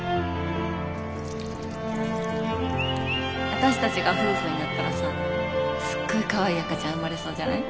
私たちが夫婦になったらさすっごいかわいい赤ちゃん生まれそうじゃない？